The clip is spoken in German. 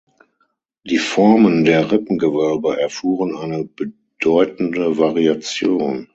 Die Formen der Rippengewölbe erfuhren eine bedeutende Variation.